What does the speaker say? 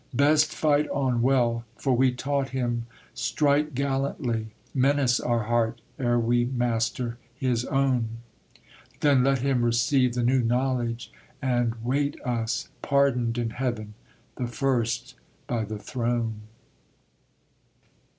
Best fight on well, for we taught him strike gallantly, Menace our heart ere we master his own; Then let him receive the new knowledge and wait us, Pardoned in heaven, the first by the throne!"